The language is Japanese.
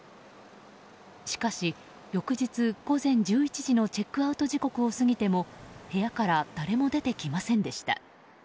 しかし、翌日午前１１時のチェックアウト時刻を過ぎても部屋から誰も出てきませんでした。